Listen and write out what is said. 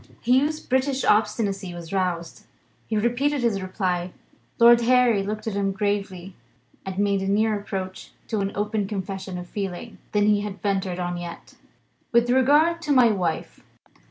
Hugh's British obstinacy was roused; he repeated his reply. Lord Harry looked at him gravely, and made a nearer approach to an open confession of feeling than he had ventured on yet. "With regard now to my wife.